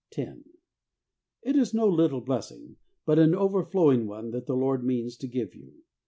lo). It is no little blessing, but an overflowing one that the Lord means to give you.